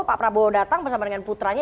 pak prabowo datang bersama dengan putranya